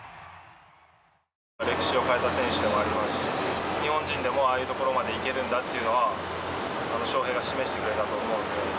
歴史を変えた選手でもありますし日本人でもああいうところまで行けるんだというのは翔平が示してくれたと思うので。